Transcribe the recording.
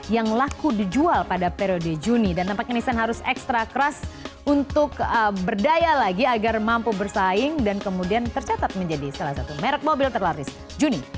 yang laku dijual pada periode juni dan tampaknya nison harus ekstra keras untuk berdaya lagi agar mampu bersaing dan kemudian tercatat menjadi salah satu merek mobil terlaris juni